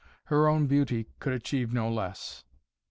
Her own beauty could achieve no less.